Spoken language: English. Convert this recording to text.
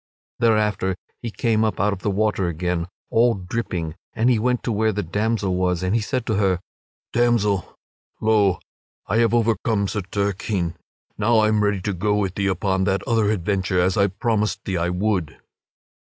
Thereafter he came up out of the water again, all dripping, and he went to where the damsel was and he said to her; "Damsel, lo, I have overcome Sir Turquine; now I am ready to go with thee upon that other adventure, as I promised thee I would."